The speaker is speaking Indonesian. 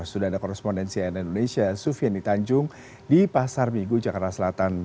sudah ada korespondensi dari indonesia sufian itanjung di pasar migu jakarta selatan